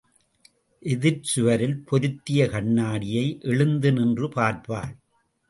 எதிர்ச் சுவரில் பொருத்திய கண்ணாடியை எழுந்து நின்று பார்ப்பாள்.